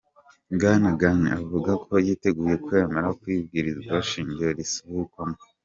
Bwana Ghani avuga ko yiteguye kwemera kw'ibwirizwa shingiro risubirwamwo.